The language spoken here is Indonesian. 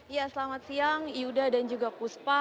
ya selamat siang iuda dan juga kuspa